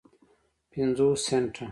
پینځوس سنټه